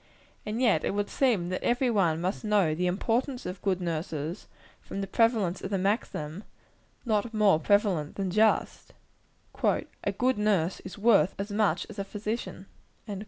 And yet it would seem that every one must know the importance of good nurses, from the prevalence of the maxim not more prevalent than just "A good nurse is worth as much as a physician."